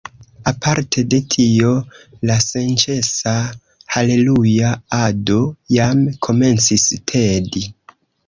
Aparte de tio la senĉesa haleluja-ado jam komencis tedi.